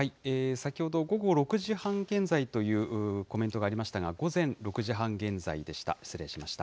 先ほど午後６時半現在というコメントがありましたが、午前６時半現在でした。